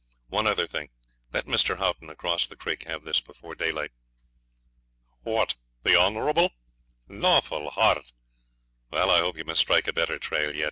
One other thing; let Mr. Haughton, across the creek, have this before daylight.' 'What, the Honourable!!! Lawful heart! Wal, I hope ye may strike a better trail yet.